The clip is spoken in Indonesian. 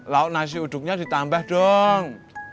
lauk nasi uduknya ditambah dong